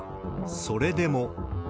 それでも。